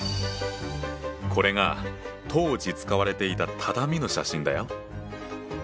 これが当時使われていた畳の写真だよ。